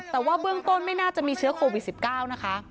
แต่ว่าเบื้องต้นไม่น่าจะมีเชื้อโควิด๑๙นะคะ